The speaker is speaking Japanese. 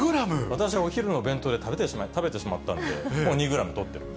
私、お昼の弁当で食べてしまったんで、もう２グラムとった。